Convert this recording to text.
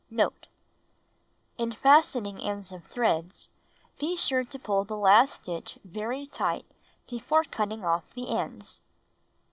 Note. — In fastening ends of threads, be sure to pull the last stitch very tight before cutting off the ends.